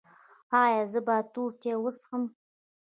ایا زه باید تور چای وڅښم؟